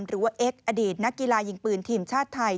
หรือว่าซอดีตนักกีฬายงปืนทีมชาติไทย